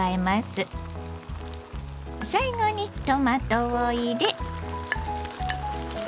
最後にトマトを入れ。